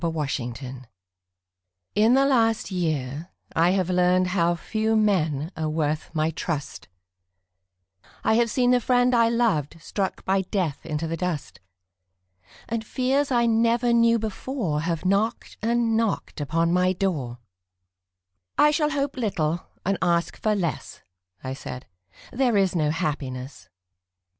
Red Maples In the last year I have learned How few men are worth my trust; I have seen the friend I loved Struck by death into the dust, And fears I never knew before Have knocked and knocked upon my door "I shall hope little and ask for less," I said, "There is no happiness."